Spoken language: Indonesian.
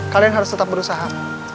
kalian harus tetap berusaha